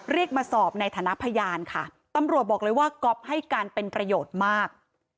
เรียกมาสอบในฐานะพยานค่ะตำรวจบอกเลยว่าก๊อฟให้การเป็นประโยชน์มาก